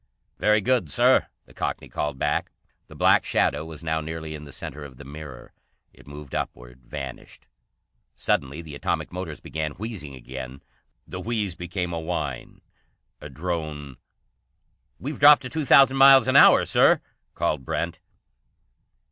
"Very good, Sir," the Cockney called back. The black shadow was now nearly in the centre of the mirror. It moved upward, vanished. Suddenly the atomic motors began wheezing again. The wheeze became a whine, a drone. "We've dropped to two thousand miles an hour, Sir," called Brent.